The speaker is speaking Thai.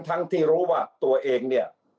ทั้งที่รู้ว่าตัวเองเนี่ย